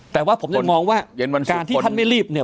แต่ว่าผมยังมองว่าการที่ท่านไม่รีบเนี่ย